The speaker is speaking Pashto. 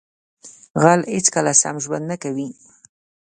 غل هیڅکله سم ژوند نه کوي